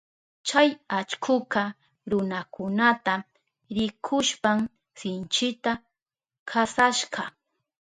Chay allkuka runakunata rikushpan sinchita kasashka.